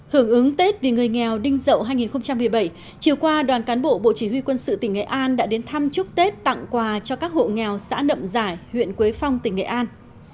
hưởng ứng tết vì người nghèo đinh dậu hai nghìn một mươi bảy chiều qua đoàn cán bộ bộ chỉ huy quân sự tỉnh nghệ an đã đến thăm chúc tết tặng quà cho các hộ nghèo xã nậm giải huyện quế phong tỉnh nghệ an